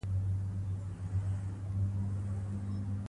ښايي په راتلونکي کې ستونزې حل شي.